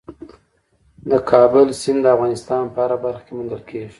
د کابل سیند د افغانستان په هره برخه کې موندل کېږي.